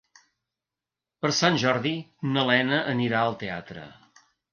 Per Sant Jordi na Lena anirà al teatre.